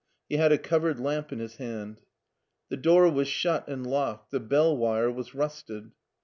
He had a covered lamp in his hand. The door was shut and locked, the bell wire was rusted.